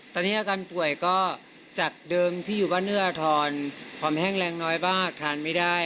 ตอนนี้อาการป่วยก็จากเดิมที่อยู่บ้านเอื้ออทรความแห้งแรงน้อยบ้างทานไม่ได้